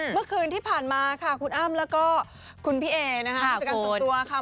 เมื่อคืนที่ผ่านมาคุณอ้ามแล้วก็คุณพี่เอ๊จักรกรส่วนตัว